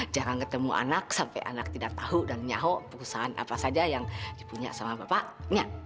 jarang ketemu anak sampai anak tidak tahu dan nyahok perusahaan apa saja yang dipunya sama bapak